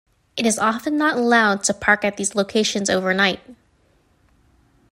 It is often not allowed to park at these locations overnight.